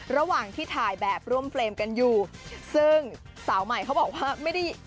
ระหว่างที่ถ่ายแบบร่วมเฟรมกันอยู่ซึ่งสาวใหม่เขาบอกว่าไม่ได้